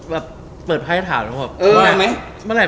แบบเปิดไพรส์ถามแล้วหรือเปล่า